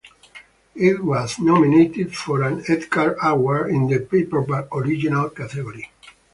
It was nominated for an Edgar Award in the paperback original category.